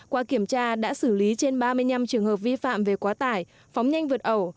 qua kiểm tra đã xử lý trên ba mươi năm trường hợp vi phạm về quá tải phóng nhanh vượt ẩu